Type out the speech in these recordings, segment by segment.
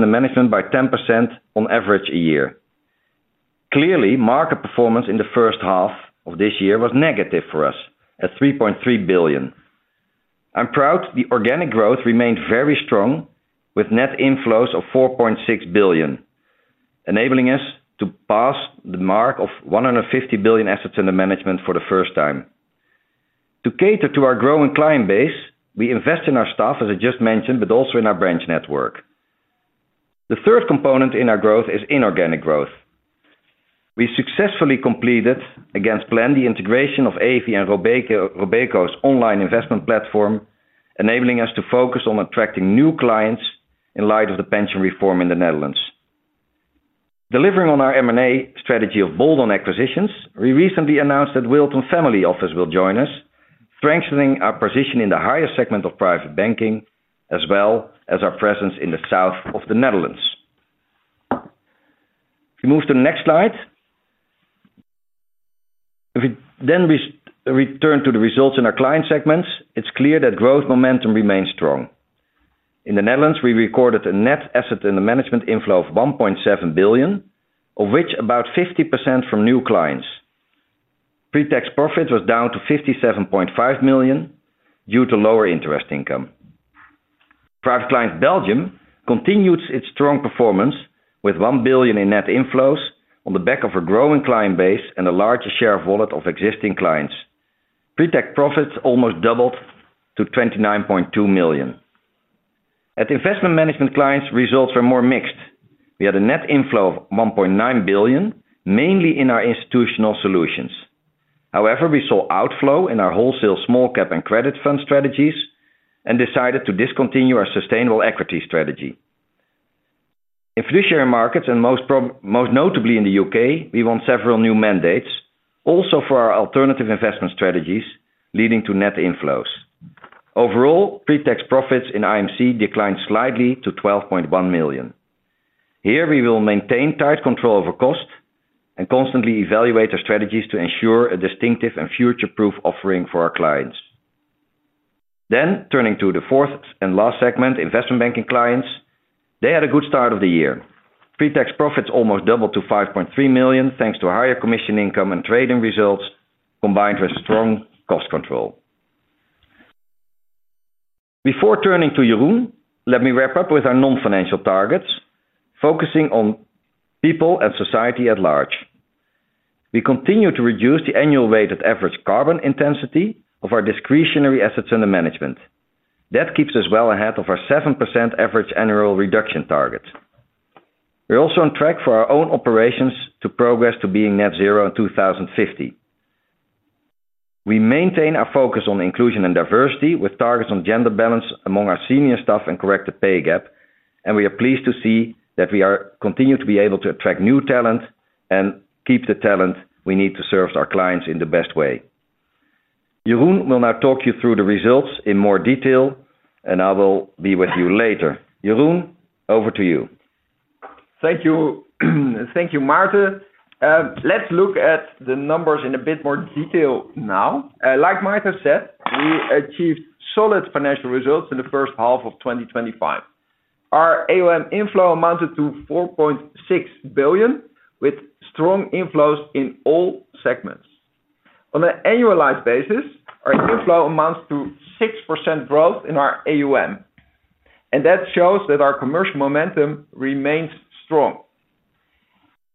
The management by 10% on average a year. Clearly, market performance in the first half of this year was negative for us at 3.3 billion. I'm proud the organic growth remained very strong with net inflows of 4.6 billion, enabling us to pass the mark of 150 billion assets under management for the first time. To cater to our growing client base, we invest in our staff, as I just mentioned, but also in our branch network. The third component in our growth is inorganic growth. We successfully completed, against plan, the integration of Evi and Robeco’s online investment platform, enabling us to focus on attracting new clients in light of the pension reform in the Netherlands. Delivering on our M&A strategy of bolt-on acquisitions, we recently announced that Wilton Family Office will join us, strengthening our position in the higher segment of private banking as well as our presence in the southern Netherlands. We move to the next slide If we then return to the results in our client segments, it's clear that growth momentum remains strong. In the Netherlands, we recorded a net asset under management inflow of 1.7 billion, of which about 50% from new clients. Pre-tax profit was down to 57.5 million due to lower interest income. Private client Belgium continued its strong performance with 1 billion in net inflows on the back of a growing client base and a larger share of wallet of existing clients. Pre-tax profits almost doubled to 29.2 million. At investment management clients, results were more mixed. We had a net inflow of 1.9 billion, mainly in our institutional solutions. However, we saw outflow in our wholesale, small cap, and credit fund strategies and decided to discontinue our sustainable equity strategy. In fiduciary markets, and most notably in the UK, we won several new mandates, also for our alternative investment strategies, leading to net inflows. Overall, pre-tax profits in IMC declined slightly to 12.1 million. Here, we will maintain tight control over cost and constantly evaluate our strategies to ensure a distinctive and future-proof offering for our clients. Turning to the fourth and last segment, investment banking clients had a good start of the year. Pre-tax profits almost doubled to 5.3 million, thanks to higher commission income and trading results combined with strong cost control. Before turning to Jeroen, let me wrap up with our non-financial targets, focusing on people and society at large. We continue to reduce the annual weighted average carbon intensity of our discretionary assets under management. That keeps us well ahead of our 7% average annual reduction target. We're also on track for our own operations to progress to being net zero in 2050. We maintain our focus on inclusion and diversity with targets on gender balance among our senior staff and correct the pay gap, and we are pleased to see that we continue to be able to attract new talent and keep the talent we need to serve our clients in the best way. Jeroen will now talk you through the results in more detail, and I will be with you later. Jeroen, over to you. Thank you, Maarten. Let's look at the numbers in a bit more detail now. Like Maarten said, we achieved solid financial results in the first half of 2025. Our AUM inflow amounted to 4.6 billion, with strong inflows in all segments. On an annualized basis, our inflow amounts to 6% growth in our AUM, and that shows that our commercial momentum remains strong.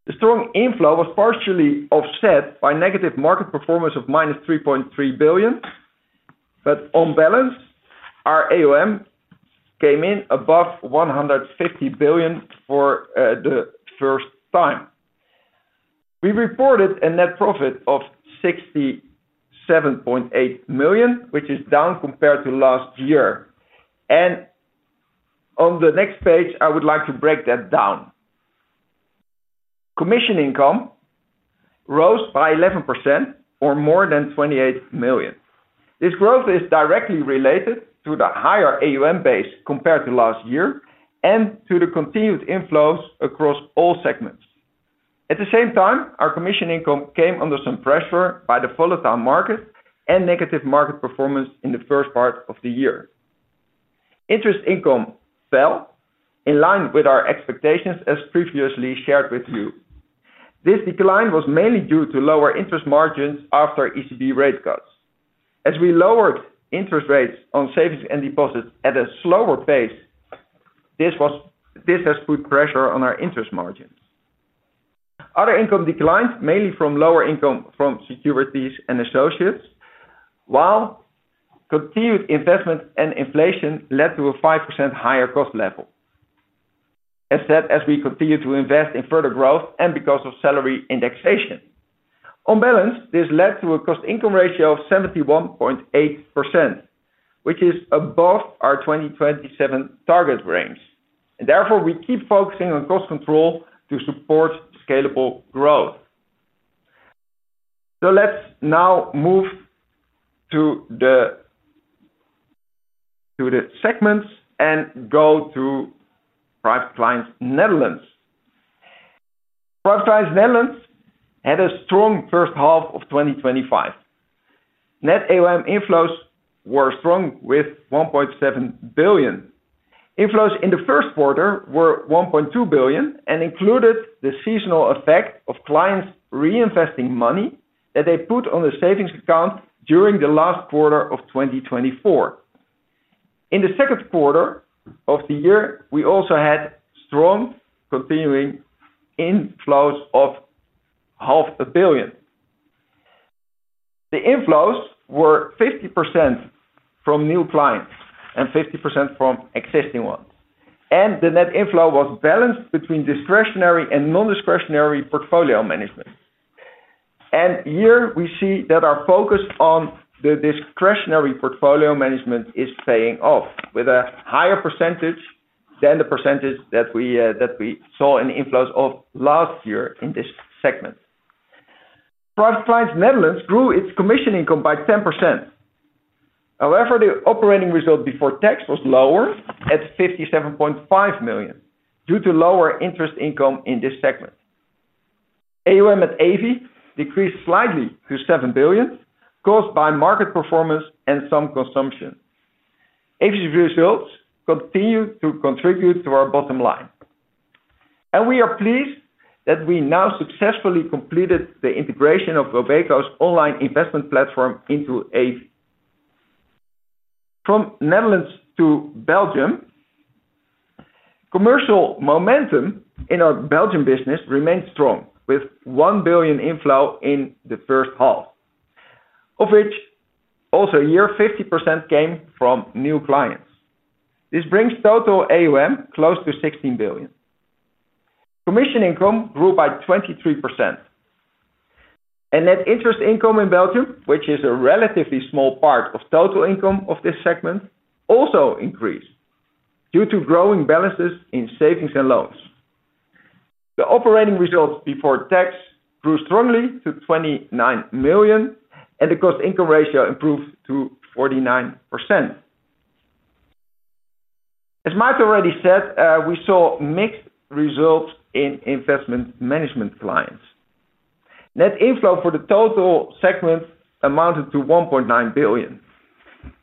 The strong inflow was partially offset by negative market performance of minus 3.3 billion, but on balance, our AUM came in above 150 billion for the first time. We reported a net profit of 67.8 million, which is down compared to last year. On the next page, I would like to break that down. Commission income rose by 11% or more than 28 million. This growth is directly related to the higher AUM base compared to last year and to the continued inflows across all segments. At the same time, our commission income came under some pressure by the volatile market and negative market performance in the first part of the year. Interest income fell in line with our expectations, as previously shared with you. This decline was mainly due to lower interest margins after ECB rate cuts. As we lowered interest rates on savings and deposits at a slower pace, this has put pressure on our interest margins. Other income declines, mainly from lower income from securities and associates, while continued investment and inflation led to a 5% higher cost level, as we continue to invest in further growth and because of salary indexation. On balance, this led to a cost-income ratio of 71.8%, which is above our 2027 target range. Therefore, we keep focusing on cost control to support scalable growth. Let's now move to the segments and go to private clients Netherlands. Private clients Netherlands had a strong first half of 2025. Net AUM inflows were strong with 1.7 billion. Inflows in the first quarter were 1.2 billion and included the seasonal effect of clients reinvesting money that they put on the savings account during the last quarter of 2024. In the second quarter of the year, we also had strong continuing inflows of 500 million. The inflows were 50% from new clients and 50% from existing ones. The net inflow was balanced between discretionary and non-discretionary portfolio management. Here we see that our focus on the discretionary portfolio management is paying off with a higher percentage than the percentage that we saw in inflows of last year in this segment. Private clients Netherlands grew its commission income by 10%. However, the operating result before tax was lower at 57.5 million due to lower interest income in this segment. AUM at Evi decreased slightly to 7 billion, caused by market performance and some consumption. Evi's results continue to contribute to our bottom line. We are pleased that we have now successfully completed the integration of Robeco’s online investment platform into Evi. From Netherlands to Belgium, commercial momentum in our Belgium business remains strong, with 1 billion inflow in the first half, of which also a year 50% came from new clients. This brings total AUM close to 16 billion. Commission income grew by 23%. Net interest income in Belgium, which is a relatively small part of total income of this segment, also increased due to growing balances in savings and loans. The operating result before tax grew strongly to 29 million, and the cost-income ratio improved to 49%. As Maarten already said, we saw mixed results in investment management clients. Net inflow for the total segment amounted to 1.9 billion.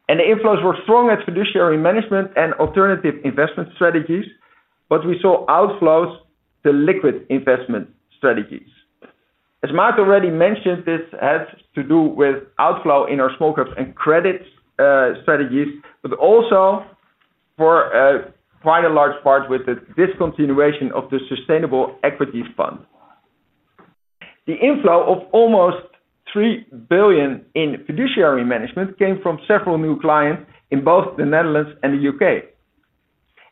The inflows were strong at fiduciary management and alternative strategies, but we saw outflows to liquid investment strategies. As Maarten already mentioned, this has to do with outflow in our small caps and credit strategies, but also for quite a large part with the discontinuation of the sustainable equity fund. The inflow of almost 3 billion in fiduciary management came from several new clients in both the Netherlands and the UK.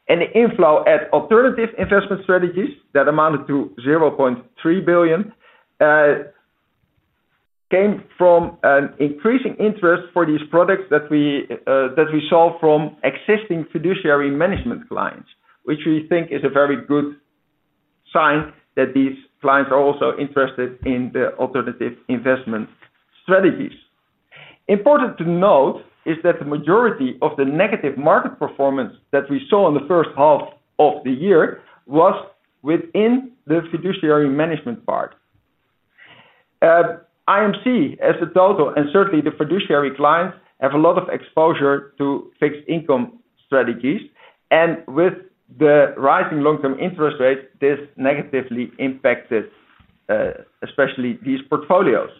The inflow at alternative strategies that amounted to 0.3 billion came from an increasing interest for these products that we saw from existing fiduciary management clients, which we think is a very good sign that these clients are also interested in the alternative strategies. Important to note is that the majority of the negative market performance that we saw in the first half of the year was within the fiduciary management part. IMC as a total and certainly the fiduciary clients have a lot of exposure to fixed income strategies. With the rising long-term interest rates, this negatively impacted especially these portfolios.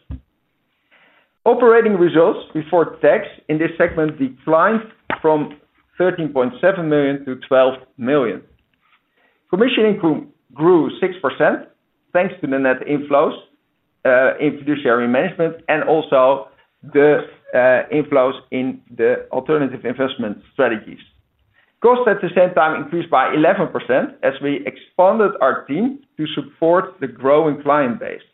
Operating results before tax in this segment declined from 13.7 million to 12 million. Commission income grew 6% thanks to the net inflows in fiduciary management and also the inflows in the alternative investment strategies. Costs at the same time increased by 11% as we expanded our team to support the growing client base.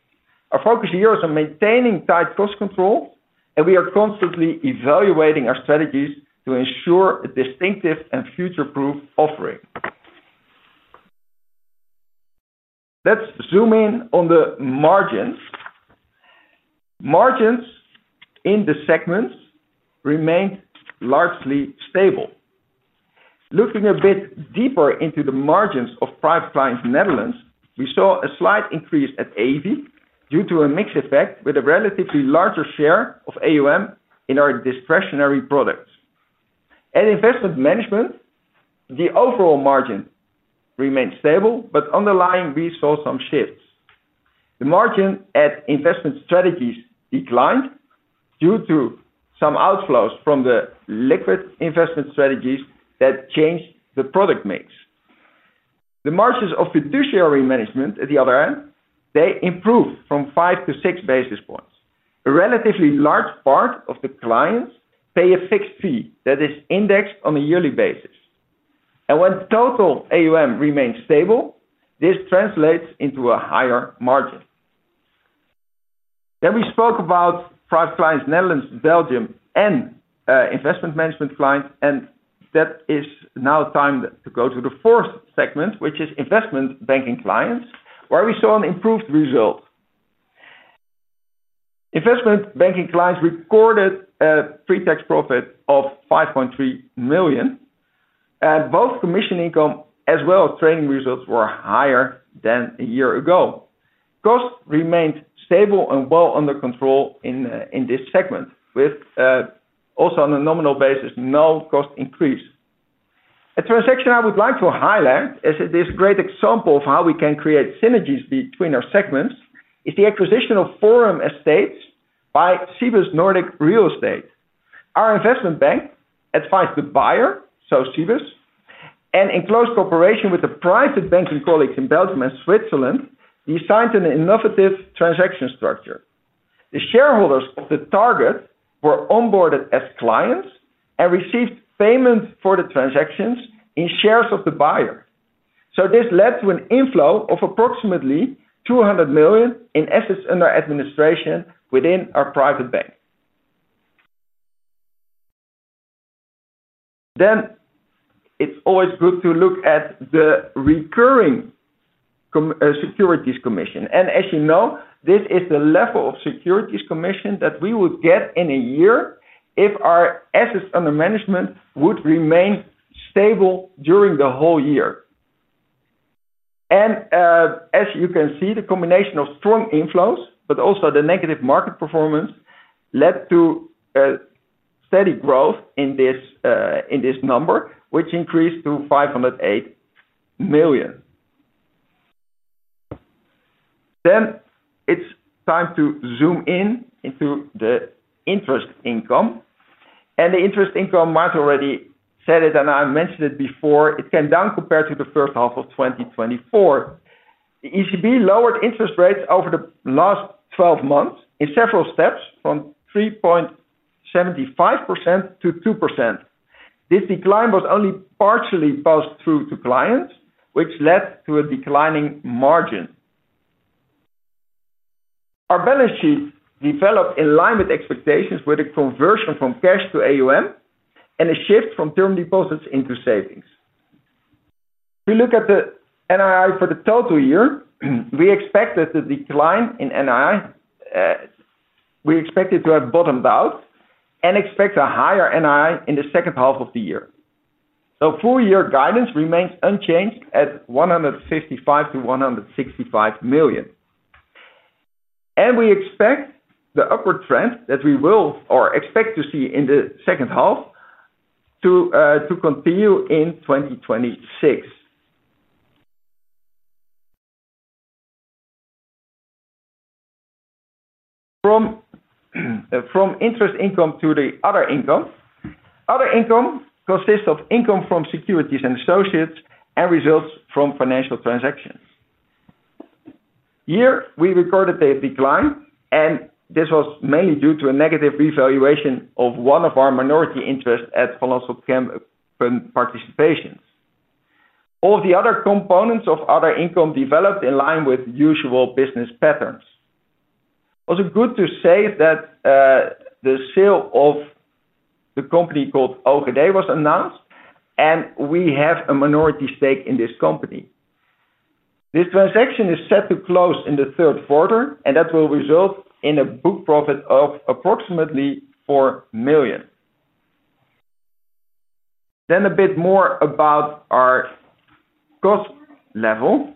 Our focus here is on maintaining tight cost control, and we are constantly evaluating our strategies to ensure a distinctive and future-proof offering. Let's zoom in on the margins. Margins in the segment remained largely stable. Looking a bit deeper into the margins of private clients Netherlands, we saw a slight increase at Evi due to a mixed effect with a relatively larger share of AUM in our discretionary products. At investment management, the overall margin remained stable, but underlying we saw some shifts. The margin at investment strategies declined due to some outflows from the liquid investment strategies that changed the product mix. The margins of fiduciary management at the other end, they improved from 5 to 6 basis points. A relatively large part of the clients pay a fixed fee that is indexed on a yearly basis. When total AUM remains stable, this translates into a higher margin. We spoke about private clients Netherlands, Belgium, and investment management clients, and it is now time to go to the fourth segment, which is investment banking clients, where we saw an improved result. Investment banking clients recorded a pre-tax profit of €5.3 million, and both commission income as well as trading results were higher than a year ago. Costs remained stable and well under control in this segment, with also on a nominal basis, no cost increase. A transaction I would like to highlight as it is a great example of how we can create synergies between our segments is the acquisition of Forum Estates by Cibus Nordic Real Estate. Our investment bank advised the buyer, so Cibus, and in close cooperation with the private banking colleagues in Belgium and Switzerland, designed an innovative transaction structure. The shareholders of the target were onboarded as clients and received payments for the transactions in shares of the buyer. This led to an inflow of approximately 200 million in assets under administration within our private bank. It is always good to look at the recurring securities commission. As you know, this is the level of securities commission that we would get in a year if our assets under management would remain stable during the whole year. As you can see, the combination of strong inflows, but also the negative market performance, led to a steady growth in this number, which increased to 508 million. It is time to zoom in into the interest income. The interest income, Maarten already said it, and I mentioned it before, came down compared to the first half of 2024. The ECB lowered interest rates over the last 12 months in several steps from 3.75% to 2%. This decline was only partially passed through to clients, which led to a declining margin. Our balance sheet developed in line with expectations with a conversion from cash to AUM and a shift from term deposits into savings. If we look at the NII for the total year, we expected the decline in NII. We expect it to have bottomed out and expect a higher NII in the second half of the year. The full-year guidance remains unchanged at 155 million to 165 million. We expect the upward trend that we will or expect to see in the second half to continue in 2026. From interest income to the other income, other income consists of income from securities and associates and results from financial transactions. Here, we recorded the decline, and this was mainly due to a negative revaluation of one of our minority interests at Van Lanschot Kempen participations. All of the other components of other income developed in line with usual business patterns. It is good to say that the sale of the company called [OGD] was announced, and we have a minority stake in this company. This transaction is set to close in the third quarter, and that will result in a book profit of approximately 4 million. A bit more about our cost level.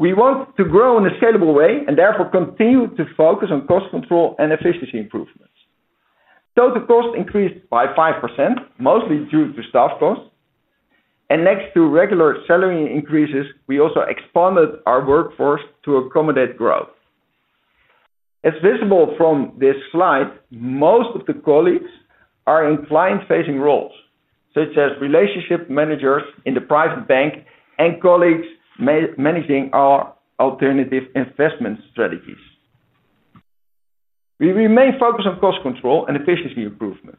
We want to grow in a scalable way and therefore continue to focus on cost control and efficiency improvements. Total cost increased by 5%, mostly due to staff costs. Next to regular salary increases, we also expanded our workforce to accommodate growth. As visible from this slide, most of the colleagues are in client-facing roles, such as Relationship Managers in the private bank and colleagues managing our alternative investment strategies. We remain focused on cost control and efficiency improvement.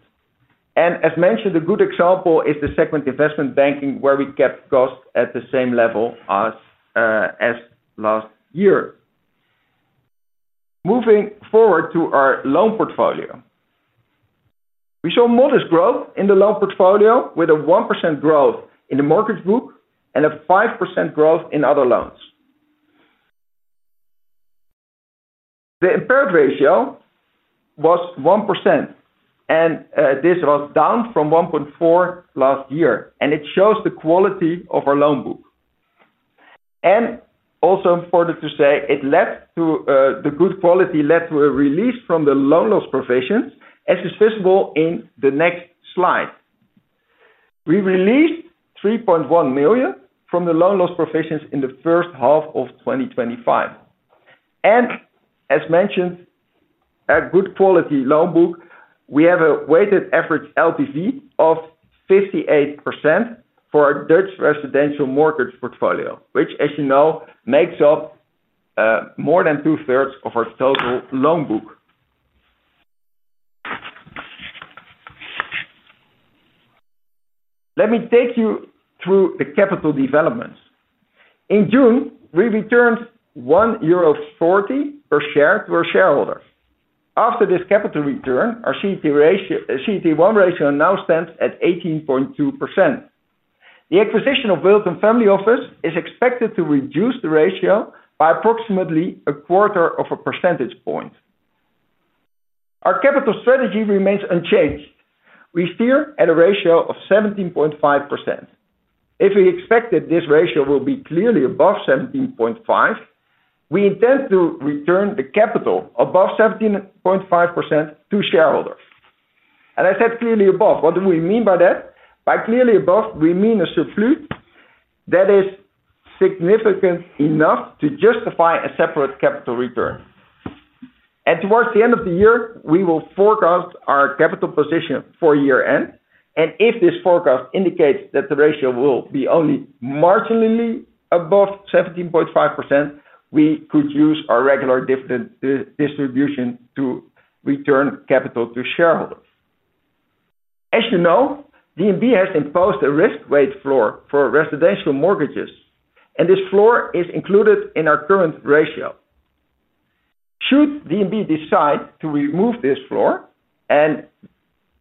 A good example is the segment investment banking where we kept costs at the same level as last year. Moving forward to our loan portfolio, we saw modest growth in the loan portfolio with a 1% growth in the mortgage book and a 5% growth in other loans. The impaired ratio was 1%, and this was down from 1.4% last year, and it shows the quality of our loan book. It is also important to say, it led to the good quality that led to a release from the loan loss provisions, as is visible in the next slide. We released 3.1 million from the loan loss provisions in the first half of 2025. As mentioned, a good quality loan book, we have a weighted average LTV of 58% for our Dutch residential mortgage portfolio, which, as you know, makes up more than two thirds of our total loan book. Let me take you through the capital developments. In June, we returned 1.40 euro per share to our shareholders. After this capital return, our CET1 ratio now stands at 18.2%. The acquisition of Wilton Family Office is expected to reduce the ratio by approximately a quarter of a percentage point. Our capital strategy remains unchanged. We steer at a ratio of 17.5%. If we expect that this ratio will be clearly above 17.5%, we intend to return the capital above 17.5% to shareholders. I said clearly above. What do we mean by that? By clearly above, we mean a surplus that is significant enough to justify a separate capital return. Towards the end of the year, we will forecast our capital position for year-end. If this forecast indicates that the ratio will be only marginally above 17.5%, we could use our regular dividend distribution to return capital to shareholders. As you know, DNB has imposed a risk-weight floor for residential mortgages, and this floor is included in our current ratio. Should DNB decide to remove this floor, and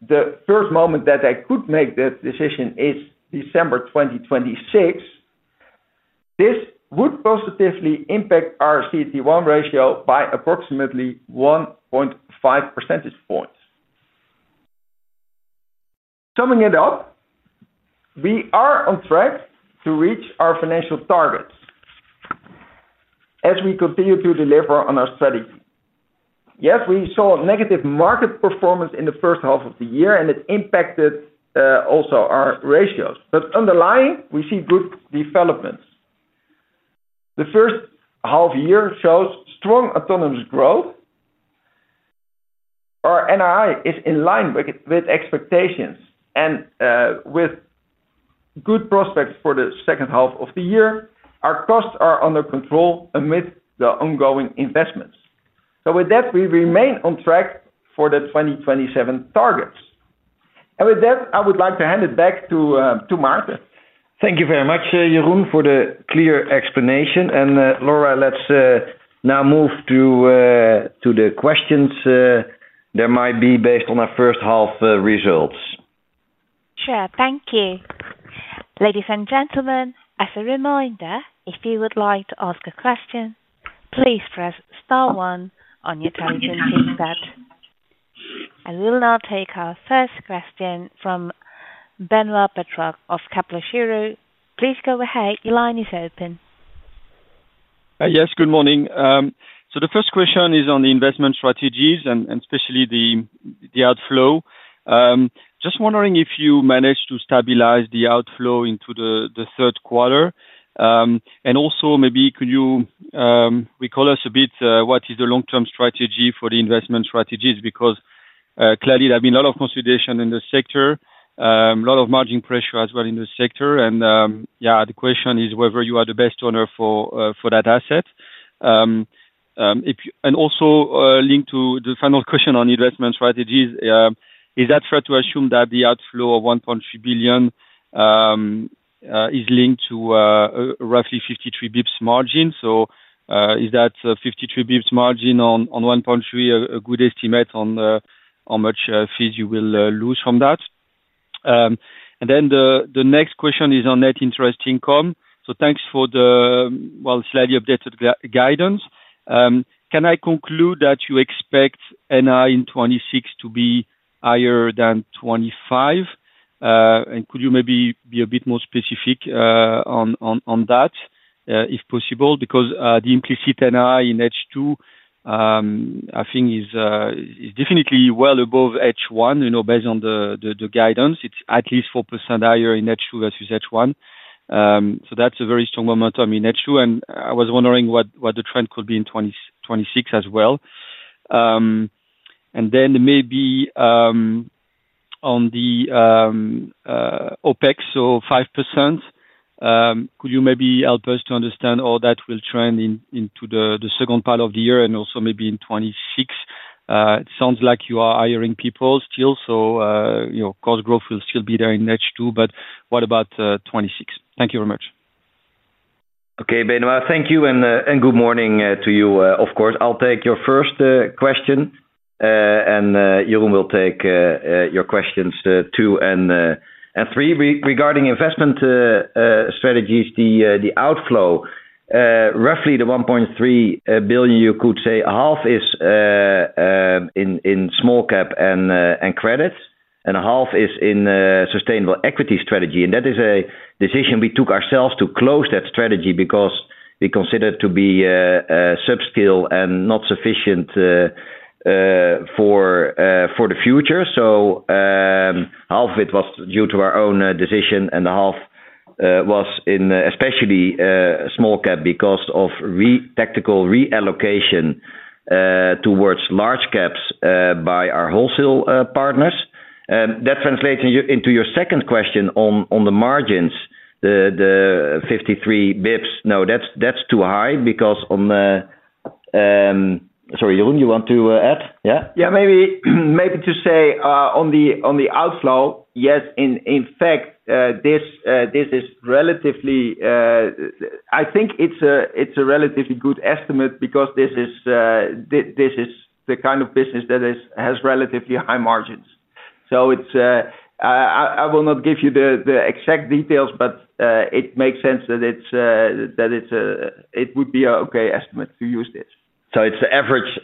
the first moment that they could make that decision is December 2026, this would positively impact our CET1 ratio by approximately 1.5 percentage points. Summing it up, we are on track to reach our financial targets as we continue to deliver on our strategy. We saw negative market performance in the first half of the year, and it impacted also our ratios. Underlying, we see good developments. The first half year shows strong autonomous growth. Our NII is in line with expectations and with good prospects for the second half of the year. Our costs are under control amidst the ongoing investments. With that, we remain on track for the 2027 targets. With that, I would like to hand it back to Maarten. Thank you very much, Jeroen, for the clear explanation. Laura, let's now move to the questions there might be based on our first half results. Sure, thank you. Ladies and gentlemen, as a reminder, if you would like to ask a question, please press star one on your telephone keypad. I will now take our first question from Benoît Pétrarque of Kepler Cheuvreux. Please go ahead, your line is open. Yes, good morning. The first question is on the investment strategies and especially the outflow. Just wondering if you managed to stabilize the outflow into the third quarter. Also, maybe could you recall us a bit what is the long-term strategy for the investment strategies because clearly there has been a lot of consolidation in the sector, a lot of margin pressure as well in the sector. The question is whether you are the best owner for that asset. Also linked to the final question on investment strategies, is that fair to assume that the outflow of 1.3 billion is linked to roughly 53 bps margin? Is that 53 bps margin on 1.3 billion a good estimate on how much fees you will lose from that? The next question is on net interest income. Thanks for the, slightly updated guidance. Can I conclude that you expect NII in 2026 to be higher than 2025? Could you maybe be a bit more specific on that if possible? Because the implicit NII in H2, I think, is definitely well above H1, you know, based on the guidance. It's at least 4% higher in H2 versus H1. That's a very strong momentum in H2. I was wondering what the trend could be in 2026 as well. Maybe on the OpEx, so 5%, could you maybe help us to understand how that will trend into the second part of the year and also maybe in 2026? It sounds like you are hiring people still, so cost growth will still be there in H2, but what about 2026? Thank you very much. Okay, Benoît, thank you and good morning to you, of course. I'll take your first question and Jeroen will take your questions two and three. Regarding investment strategies, the outflow, roughly the 1.3 billion, you could say half is in small cap and credits, and half is in sustainable equity strategy. That is a decision we took ourselves to close that strategy because we considered it to be subscale and not sufficient for the future. Half of it was due to our own decision and the half was in especially small cap because of tactical reallocation towards large caps by our wholesale partners. That translates into your second question on the margins, the 53 bps. No, that's too high because on the— Sorry, Jeroen, you want to add? Yeah? Maybe to say on the outflow, yes, in fact, this is relatively— I think it's a relatively good estimate because this is the kind of business that has relatively high margins. I will not give you the exact details, but it makes sense that it would be an okay estimate to use this. It's the average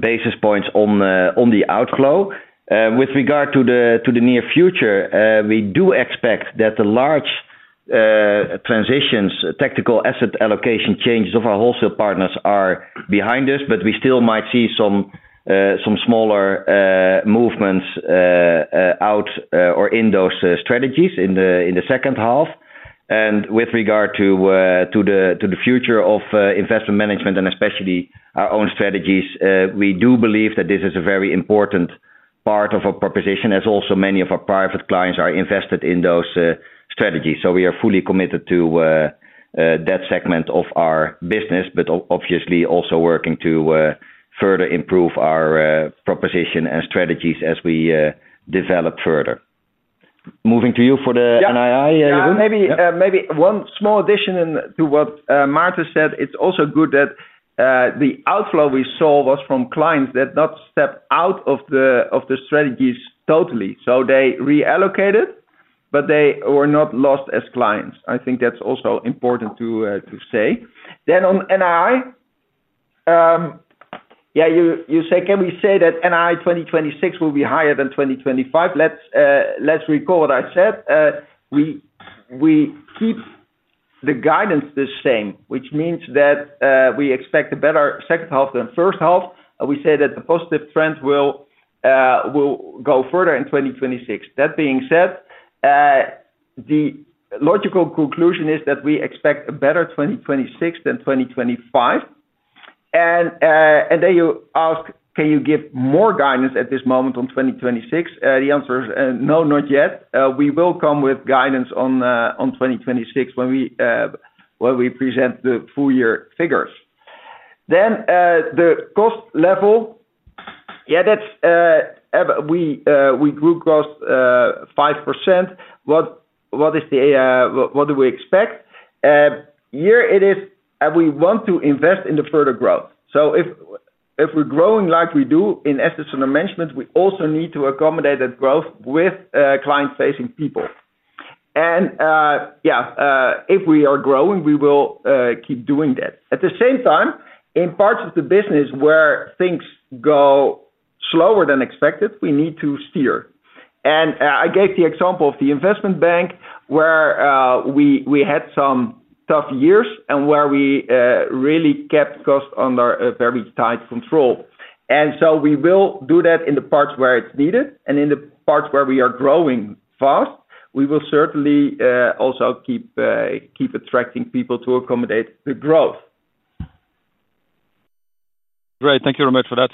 basis points on the outflow. With regard to the near future, we do expect that the large transitions, tactical asset allocation changes of our wholesale partners are behind us, but we still might see some smaller movements out or in those strategies in the second half. With regard to the future of investment management and especially our own strategies, we do believe that this is a very important part of our proposition, as also many of our private clients are invested in those strategies. We are fully committed to that segment of our business, but obviously also working to further improve our proposition and strategies as we develop further. Moving to you for the NII, Jeroen? Yeah, maybe one small addition to what Maarten said. It's also good that the outflow we saw was from clients that did not step out of the strategies totally. They reallocated, but they were not lost as clients. I think that's also important to say. On NII, you say, can we say that NII 2026 will be higher than 2025? Let's recall what I said. We keep the guidance the same, which means that we expect a better second half than first half. We say that the positive trend will go further in 2026. That being said, the logical conclusion is that we expect a better 2026 than 2025. You ask, can you give more guidance at this moment on 2026? The answer is no, not yet. We will come with guidance on 2026 when we present the full-year figures. The cost level, yeah, we grew cost 5%. What do we expect? Here it is, we want to invest in the further growth. If we're growing like we do in assets under management, we also need to accommodate that growth with client-facing people. If we are growing, we will keep doing that. At the same time, in parts of the business where things go slower than expected, we need to steer. I gave the example of the investment bank where we had some tough years and where we really kept cost under very tight control. We will do that in the parts where it's needed. In the parts where we are growing fast, we will certainly also keep attracting people to accommodate the growth. Great, thank you very much for that.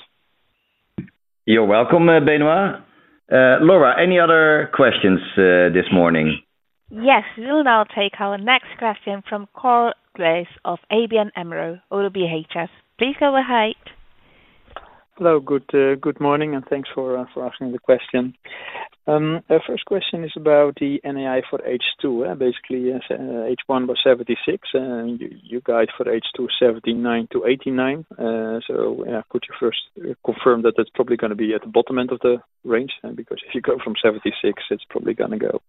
You're welcome, Benoît. Laura, any other questions this morning? Yes, we'll now take our next question from Cor Kluis of ABN Amro - Oddo BHF. Please go ahead. Hello, good morning and thanks for asking the question. Our first question is about the NII for H2. Basically, H1 was 76. You guide for H2 79 to 89. Could you first confirm that that's probably going to be at the bottom end of the range? Because if you go from 76, it's probably going to go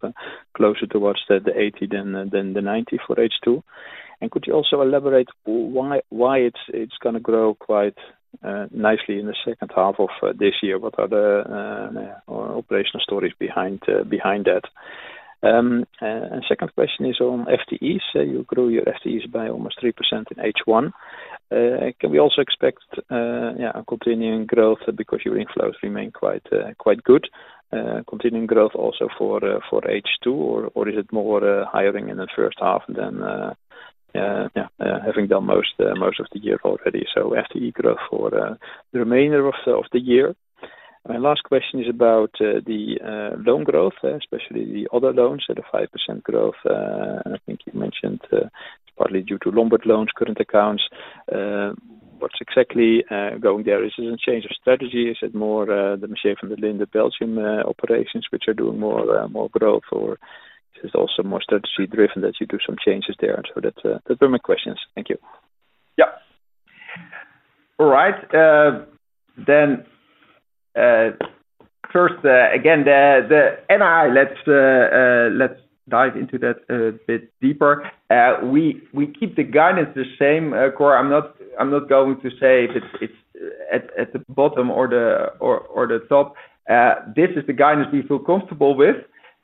closer towards the 80 than the 90 for H2. Could you also elaborate why it's going to grow quite nicely in the second half of this year? What are the operational stories behind that? The second question is on FTEs. You grew your FTEs by almost 3% in H1. Can we also expect a continuing growth because your inflows remain quite good? Continuing growth also for H2, or is it more hiring in the first half than having done most of the year already? FTE growth for the remainder of the year. My last question is about the loan growth, especially the other loans at a 5% growth. I think you mentioned partly due to Lombard loans, current accounts. What's exactly going there? Is it a change of strategy? Is it more the Mercier van der Linde Belgium operations, which are doing more growth? Is it also more strategy-driven that you do some changes there? That were my questions. Thank you. All right. First, again, the NII, let's dive into that a bit deeper. We keep the guidance the same, Carl. I'm not going to say if it's at the bottom or the top. This is the guidance we feel comfortable with.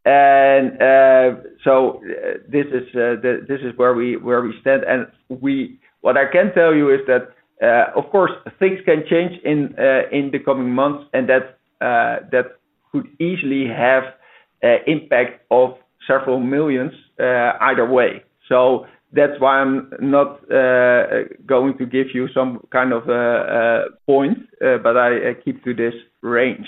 This is where we stand. What I can tell you is that, of course, things can change in the coming months, and that could easily have an impact of several millions either way. That's why I'm not going to give you some kind of point, but I keep to this range.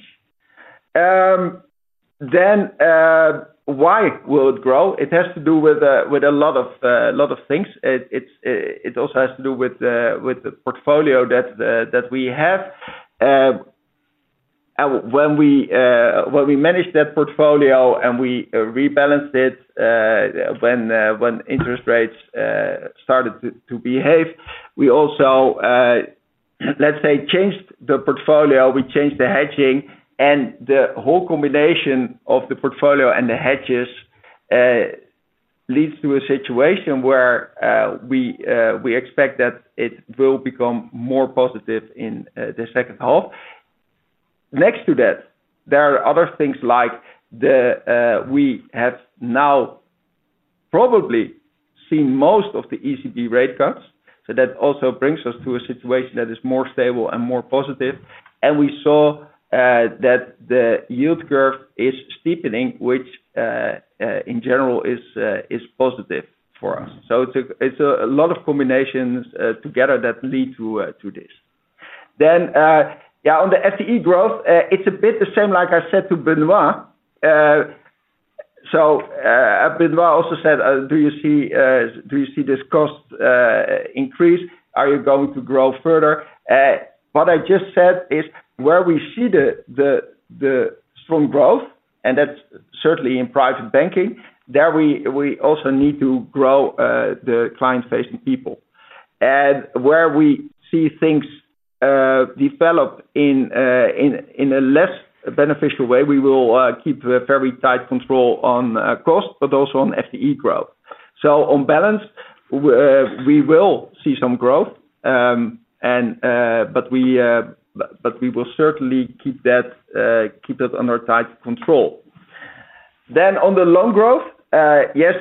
Why will it grow? It has to do with a lot of things. It also has to do with the portfolio that we have. When we managed that portfolio and we rebalanced it when interest rates started to behave, we also, let's say, changed the portfolio. We changed the hedging, and the whole combination of the portfolio and the hedges leads to a situation where we expect that it will become more positive in the second half. Next to that, there are other things like we have now probably seen most of the ECB rate cuts. That also brings us to a situation that is more stable and more positive. We saw that the yield curve is steepening, which in general is positive for us. It's a lot of combinations together that lead to this. On the FTE growth, it's a bit the same, like I said to Benoît. Benoît also said, do you see this cost increase? Are you going to grow further? What I just said is where we see the strong growth, and that's certainly in private banking. There we also need to grow the client-facing people. Where we see things develop in a less beneficial way, we will keep very tight control on cost, but also on FTE growth. On balance, we will see some growth, but we will certainly keep that under tight control. On the loan growth, yes,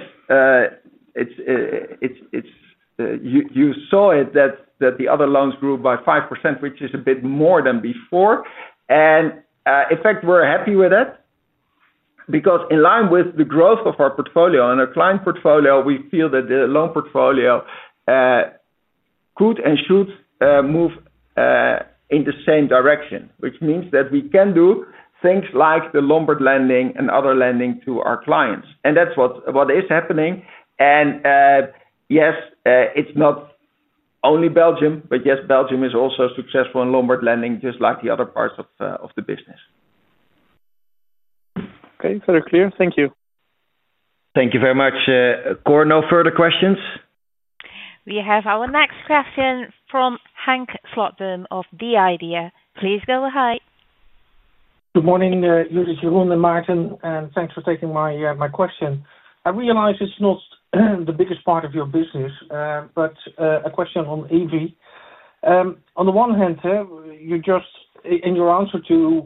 you saw it that the other loans grew by 5%, which is a bit more than before. In fact, we're happy with it because in line with the growth of our portfolio and our client portfolio, we feel that the loan portfolio could and should move in the same direction, which means that we can do things like the Lombard lending and other lending to our clients. That's what is happening. Yes, it's not only Belgium, but yes, Belgium is also successful in Lombard lending, just like the other parts of the business. Okay, very clear. Thank you. Thank you very much, Cor. No further questions. We have our next question from Henk Slotboom of The Idea. Please go ahead. Good morning, Jeroen and Maarten, and thanks for taking my question. I realize it's not the biggest part of your business, but a question on Evi. On the one hand, you just in your answer to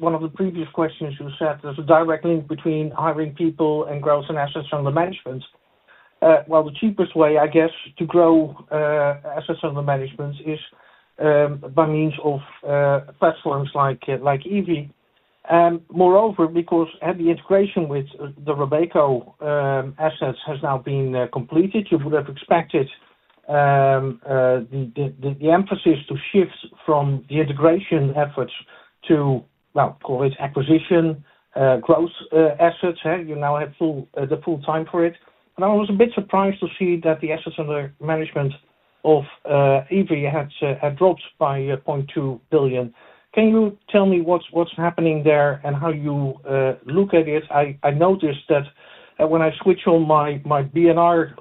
one of the previous questions, you said there's a direct link between hiring people and growth in assets under management. The cheapest way, I guess, to grow assets under management is by means of platforms like Evi. Moreover, because the integration with the Robeco assets has now been completed, you would have expected the emphasis to shift from the integration efforts to, call it acquisition, growth assets. You now have the full time for it. I was a bit surprised to see that the assets under management of Evi had dropped by 0.2 billion. Can you tell me what's happening there and how you look at it? I noticed that when I switch on my BNR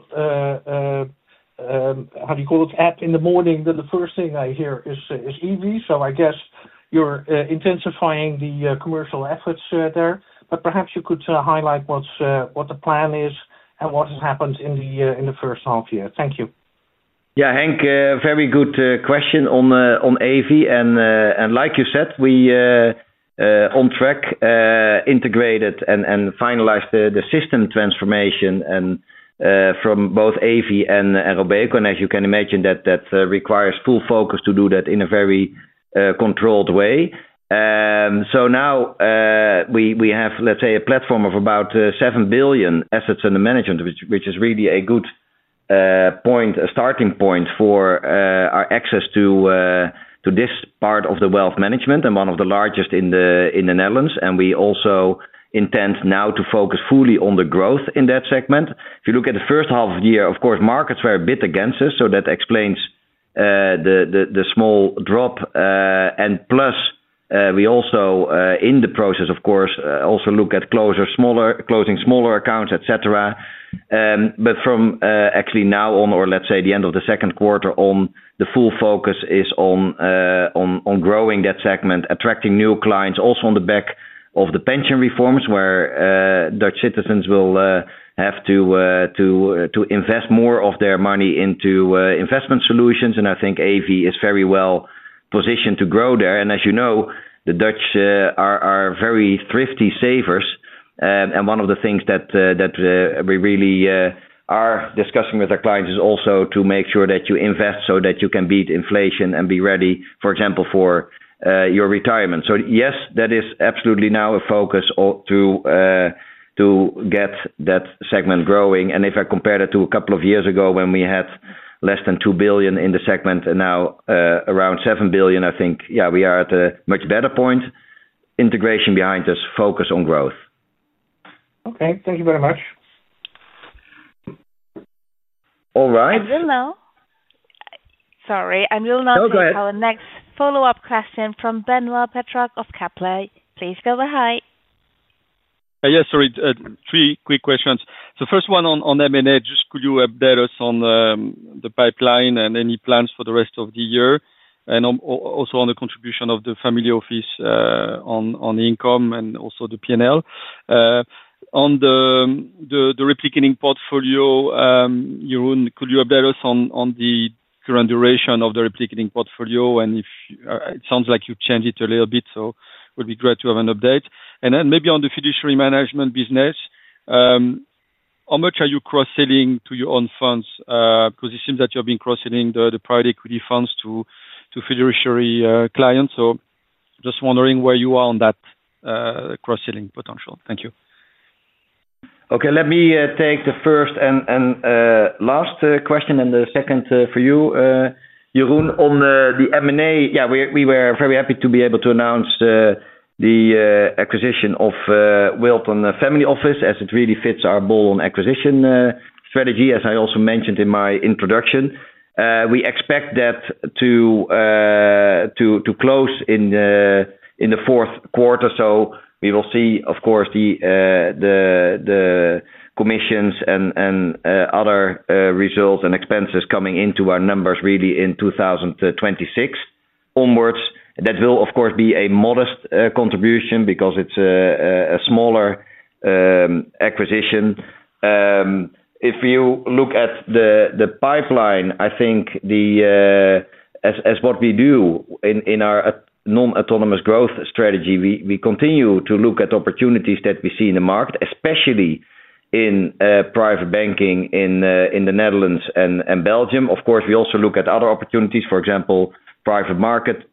app in the morning, the first thing I hear is Evi. I guess you're intensifying the commercial efforts there. Perhaps you could highlight what the plan is and what has happened in the first half year. Thank you. Yeah, Henk, very good question on Evi. Like you said, we are on track, integrated and finalized the system transformation from both Evi and Robeco. As you can imagine, that requires full focus to do that in a very controlled way. Now we have, let's say, a platform of about 7 billion assets under management, which is really a good starting point for our access to this part of the wealth management and one of the largest in the Netherlands. We also intend now to focus fully on the growth in that segment. If you look at the first half of the year, of course, markets were a bit against us. That explains the small drop. Plus, we also, in the process, of course, also look at closing smaller accounts, etc. From actually now on, or let's say the end of the second quarter on, the full focus is on growing that segment, attracting new clients, also on the back of the pension reforms, where Dutch citizens will have to invest more of their money into investment solutions. I think Evi is very well positioned to grow there. As you know, the Dutch are very thrifty savers. One of the things that we really are discussing with our clients is also to make sure that you invest so that you can beat inflation and be ready, for example, for your retirement. Yes, that is absolutely now a focus to get that segment growing. If I compare that to a couple of years ago when we had less than 2 billion in the segment and now around 7 billion, I think, yeah, we are at a much better point. Integration behind us, focus on growth. Okay, thank you very much. All right. We'll now take our next follow-up question from Benoît Pétrarque of Kepler. Please go ahead. Yeah, sorry, three quick questions. First one on M&A. Could you update us on the pipeline and any plans for the rest of the year? Also, on the contribution of the family office on income and also the P&L. On the replicating portfolio, Jeroen, could you update us on the current duration of the replicating portfolio? It sounds like you've changed it a little bit, so it would be great to have an update. Maybe on the fiduciary management business, how much are you cross-selling to your own funds? It seems that you have been cross-selling the private equity funds to fiduciary clients. Just wondering where you are on that cross-selling potential. Thank you. Okay, let me take the first and last question and the second for you, Jeroen. On the M&A, yeah, we were very happy to be able to announce the acquisition of Wilton Family Office as it really fits our bolt-on acquisition strategy, as I also mentioned in my introduction. We expect that to close in the fourth quarter. We will see, of course, the commissions and other results and expenses coming into our numbers really in 2026 onwards. That will, of course, be a modest contribution because it's a smaller acquisition. If you look at the pipeline, I think as what we do in our non-autonomous growth strategy, we continue to look at opportunities that we see in the market, especially in private banking in the Netherlands and Belgium. We also look at other opportunities, for example, private markets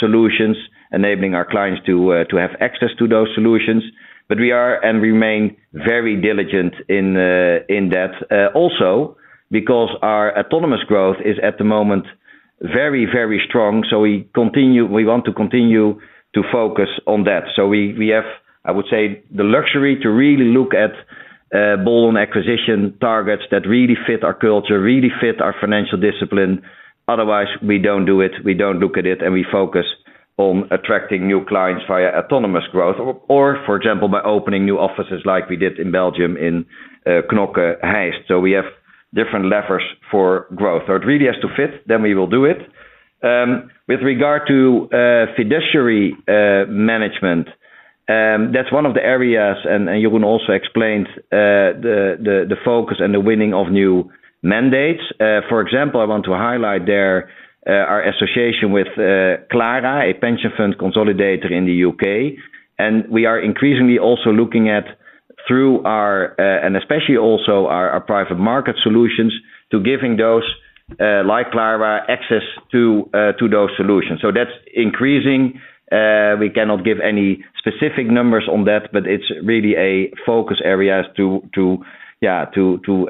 solutions, enabling our clients to have access to those solutions. We are and remain very diligent in that. Also, because our autonomous growth is at the moment very, very strong, we want to continue to focus on that. We have, I would say, the luxury to really look at bolt-on acquisition targets that really fit our culture, really fit our financial discipline. Otherwise, we don't do it, we don't look at it, and we focus on attracting new clients via autonomous growth, or for example, by opening new offices like we did in Belgium in Knokke Heist. We have different levers for growth. It really has to fit, then we will do it. With regard to fiduciary management, that's one of the areas, and Jeroen also explained the focus and the winning of new mandates. For example, I want to highlight there our association with Clara, a pension fund consolidator in the UK. We are increasingly also looking at, through our, and especially also our private markets solutions, to giving those, like Clara, access to those solutions. That's increasing. We cannot give any specific numbers on that, but it's really a focus area to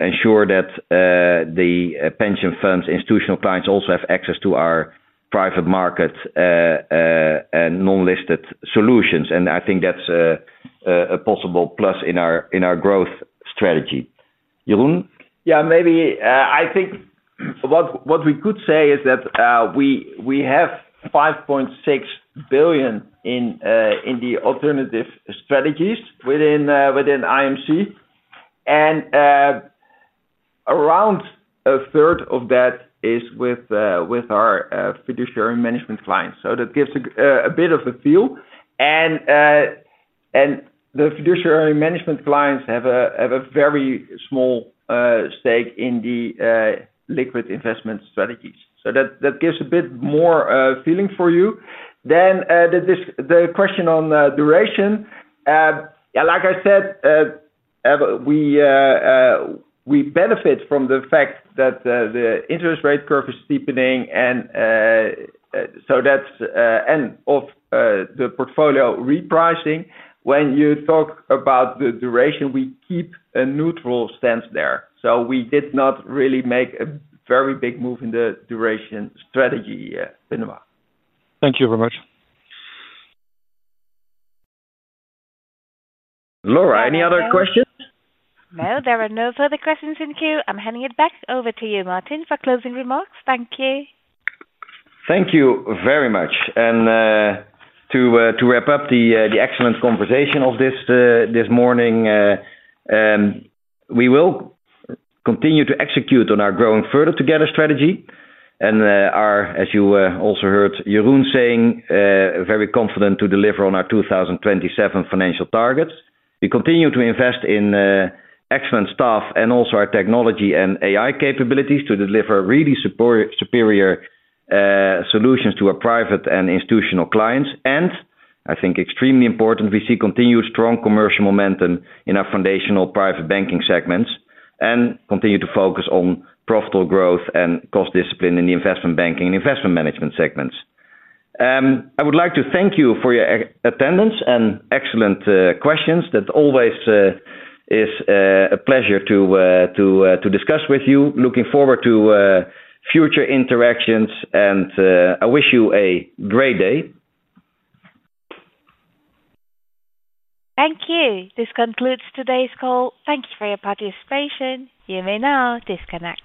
ensure that the pension funds, institutional clients also have access to our private markets and non-listed solutions. I think that's a possible plus in our growth strategy. Jeroen? Yeah, maybe. I think what we could say is that we have 5.6 billion in the alternative strategies within IMC. Around a third of that is with our fiduciary management clients. That gives a bit of a feel. The fiduciary management clients have a very small stake in the liquid investment strategies. That gives a bit more feeling for you. The question on duration: like I said, we benefit from the fact that the interest rate curve is steepening. That's the end of the portfolio repricing. When you talk about the duration, we keep a neutral stance there. We did not really make a very big move in the duration strategy, Benoît. Thank you very much. Laura, any other questions? No, there are no further questions in queue. I'm handing it back over to you, Maarten, for closing remarks. Thank you. Thank you very much. To wrap up the excellent conversation of this morning, we will continue to execute on our Growing Further Together strategy. As you also heard Jeroen saying, we are very confident to deliver on our 2027 financial targets. We continue to invest in excellent staff and also our technology and AI capabilities to deliver really superior solutions to our private and institutional clients. I think it is extremely important, we see continued strong commercial momentum in our foundational private banking segments and continue to focus on profitable growth and cost discipline in the investment banking and investment management segments. I would like to thank you for your attendance and excellent questions. It always is a pleasure to discuss with you. Looking forward to future interactions, and I wish you a great day. Thank you. This concludes today's call. Thank you for your participation. You may now disconnect.